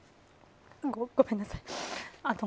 ごめんなさい。